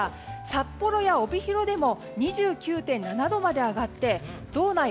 札幌や帯広でも２９．７度まで上がって道内